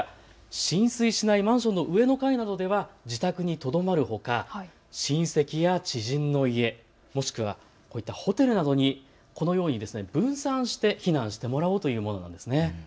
浸水しないマンションの上の階などでは自宅にとどまるほか、親戚や知人の家、もしくはホテルなどにこのように分散して避難してもらおうというものなんですね。